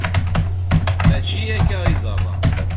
Mačči akka i ẓẓareɣ.